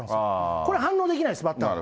これ、反応できないです、バッターは。